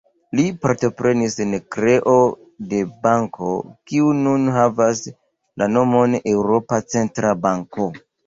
Li partoprenis en kreo de banko, kiu nun havas la nomon Eŭropa Centra Banko.